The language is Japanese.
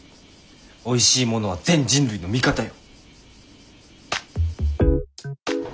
おいしいものは全人類の味方よ！